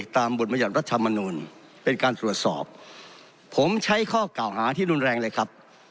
ตามบทบรรยัติรัฐมนูลเป็นการตรวจสอบผมใช้ข้อกล่าวหาที่รุนแรงเลยครับ